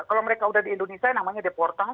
kalau mereka sudah di indonesia namanya deportan